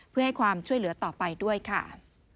เพื่อให้ความช่วยเหลือต่อไปด้วยค่ะ